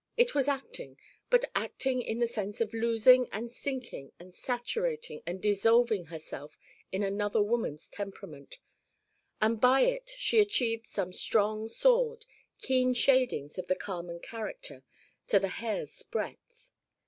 It was acting but acting in the sense of losing and sinking and saturating and dissolving herself in another woman's temperament: and by it she achieved some strong sword, keen shadings of the Carmen character to the hair's breadth.